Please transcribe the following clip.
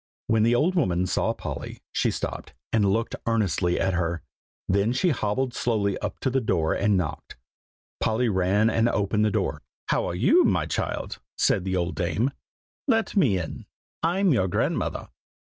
When the old woman saw Polly, she stopped, and looked earnestly at her; then she hobbled slowly up to the door and knocked. Polly ran and opened the door. "How are you, my child?" said the old dame; "let me in. I'm your grandmother."